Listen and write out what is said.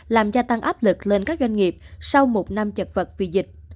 làm gia tăng áp lực lên các doanh nghiệp sau một năm chật vật vì dịch